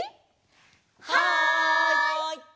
はい！